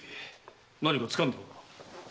何か掴んだのか？